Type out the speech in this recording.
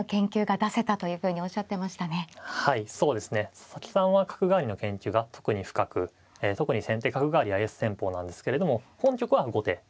佐々木さんは角換わりの研究が特に深く特に先手角換わりがエース戦法なんですけれども本局は後手。